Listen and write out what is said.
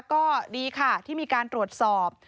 ก็ดีค่ะที่มีการตรวจสอบ